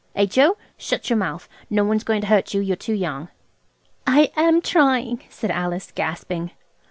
H.O., shut your mouth; no one's going to hurt you–you're too young." "I am trying," said Alice, gasping.